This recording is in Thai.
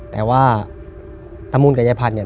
แต่ว่าตามูลกับยายผัดเนี่ย